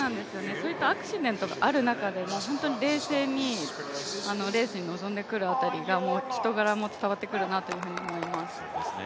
そういったアクシデントがある中でも冷静にレースに臨んでくる辺りもう人柄も伝わってくるなと思います。